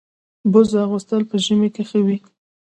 برزو اغوستل په ژمي کي ښه وي.